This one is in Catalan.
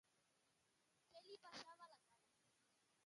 Què li passava a la cara?